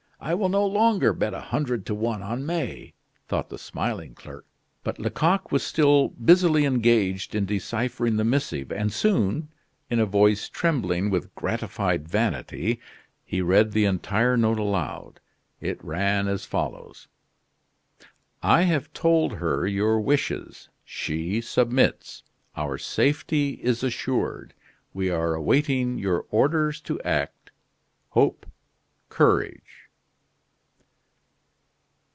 "I will no longer bet a hundred to one on May," thought the smiling clerk. But Lecoq was still busily engaged in deciphering the missive, and soon, in a voice trembling with gratified vanity, he read the entire note aloud. It ran as follows: "I have told her your wishes; she submits. Our safety is assured; we are waiting your orders to act. Hope! Courage!"